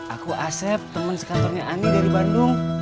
aku asep teman sekantornya ani dari bandung